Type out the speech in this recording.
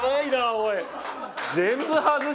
おい！